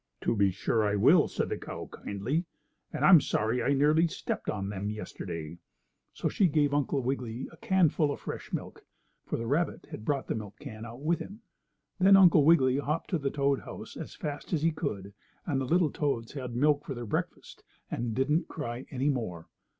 "To be sure I will," said the cow, kindly, "and I'm sorry I nearly stepped on them yesterday." So she gave Uncle Wiggily a canful of fresh milk, for the rabbit had brought the milk can out with him. Then Uncle Wiggily hopped to the toadhouse as fast as he could, and the little toads had milk for their breakfast, and didn't cry any more.